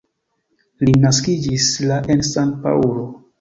Li naskiĝis la en San-Paŭlo.